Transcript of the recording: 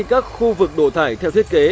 các khu vực đổ thải theo thiết kế